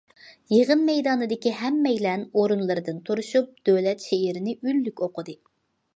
يىغىن مەيدانىدىكى ھەممەيلەن ئورۇنلىرىدىن تۇرۇشۇپ، دۆلەت شېئىرىنى ئۈنلۈك ئوقۇدى.